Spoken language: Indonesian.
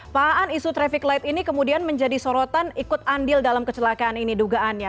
pak aan isu traffic light ini kemudian menjadi sorotan ikut andil dalam kecelakaan ini dugaannya